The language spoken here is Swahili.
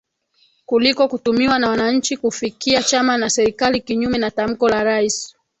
kuliko kutumiwa na wananchi kukifikia chama na serikali kinyume na Tamko la rais